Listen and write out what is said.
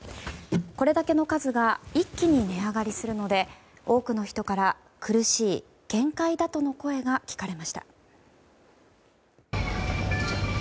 これだけの数が一気に値上がりするので多くの人から苦しい限界だとの声が聞かれました。